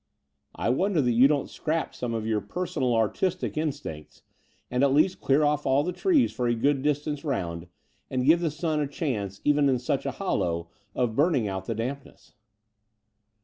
I wonder that you don't scrap some of your personal artistic in stincts, and at least clear off all the trees for a good distance round and give the stm a chance, even in such a hollow, of burning out the dampness."